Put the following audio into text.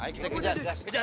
ayo kita kejar